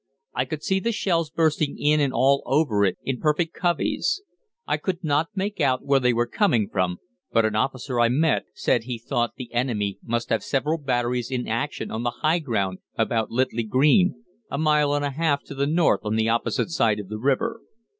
I could see the shells bursting in and all over it in perfect coveys. I could not make out where they were coming from, but an officer I met said he thought the enemy must have several batteries in action on the high ground about Littley Green, a mile and a half to the north on the opposite side of the river.